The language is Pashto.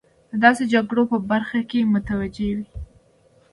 د داسې جګړو په برخه کې متوجه وي.